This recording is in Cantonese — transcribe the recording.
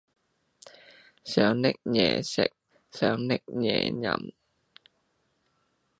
想嗌嘢食，想嗌嘢飲